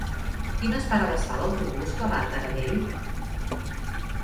Quines parades fa l'autobús que va a Taradell?